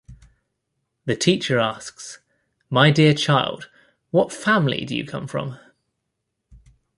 The teacher asks, my dear child, what family do you come from?